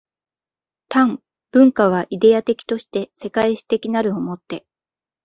但、文化はイデヤ的として世界史的なるを以て